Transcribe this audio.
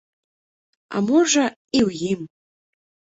А можа, і ў ім.